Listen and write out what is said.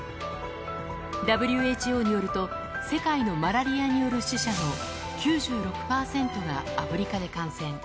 ＷＨＯによると、世界のマラリアによる死者の９６％がアフリカで感染。